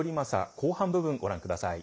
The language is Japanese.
後半部分ご覧ください。